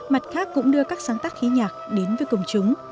mặt khác cũng đưa các sáng tác khí nhạc đến với công chúng